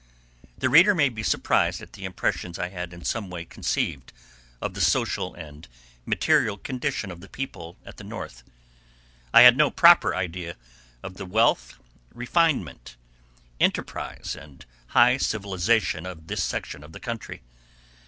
The reader may be surprised at the impressions I had in some way conceived of the social and material condition of the people at the North. I had no proper idea of the wealth, refinement, enterprise, and high civilization of this section of the country.